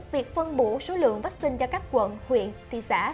việc phân bổ số lượng vaccine cho các quận huyện thị xã